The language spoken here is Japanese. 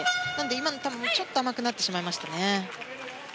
今の球もちょっと甘くなってしまいましたね。